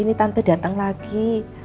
ini tante dateng lagi